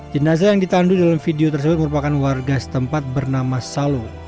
jenazah yang ditandu dalam video tersebut merupakan warga setempat bernama salo